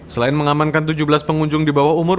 selain mengamankan tujuh belas pengunjung di bawah umur